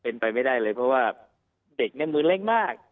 เป็นไปไม่ได้เลยเพราะว่าเด็กเนี่ยมือเล็กมาก